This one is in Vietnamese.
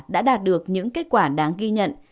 đã đạt được những kết quả đáng ghi nhận